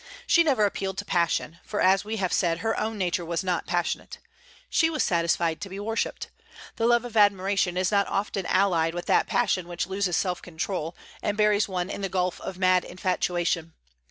She never appealed to passion; for, as we have said, her own nature was not passionate. She was satisfied to be worshipped. The love of admiration is not often allied with that passion which loses self control, and buries one in the gulf of mad infatuation.